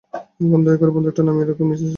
এখন, দয়া করে বন্দুক টা নামিয়ে রাখুন, মিসেস জনসন।